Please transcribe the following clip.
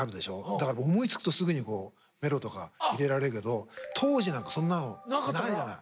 だから僕思いつくとすぐにメロとか入れられるけど当時なんかそんなのないじゃない。